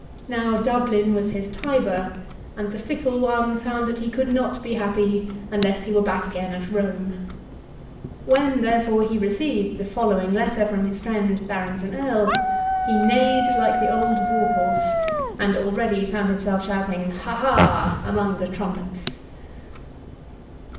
Now Dublin was his Tibur, and the fickle one found that he could not be happy unless he were back again at Rome. When, therefore, he received the following letter from his friend, Barrington Erle, he neighed like the old warhorse, and already found himself shouting "Ha, ha," among the trumpets.